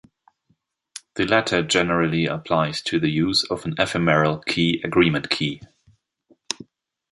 The latter generally applies to the use of an Ephemeral Key Agreement Key.